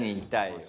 痛い！